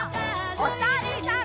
おさるさん。